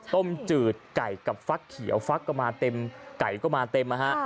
จืดไก่กับฟักเขียวฟักก็มาเต็มไก่ก็มาเต็มนะฮะ